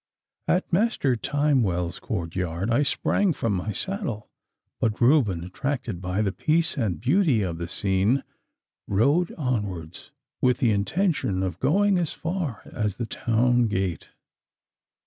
At Master Timewell's courtyard I sprang from my saddle, but Reuben, attracted by the peace and beauty of the scene, rode onwards with the intention of going as far as the town gate.